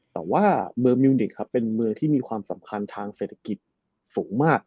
แต่ว่าเมืองมิวนิกครับเป็นเมืองที่มีความสำคัญทางเศรษฐกิจสูงมาก